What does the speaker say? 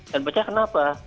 dan pecah kenapa